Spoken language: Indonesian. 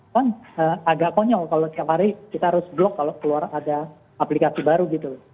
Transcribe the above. kan agak konyol kalau setiap hari kita harus blok kalau keluar ada aplikasi baru gitu